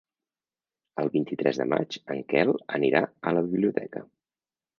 El vint-i-tres de maig en Quel anirà a la biblioteca.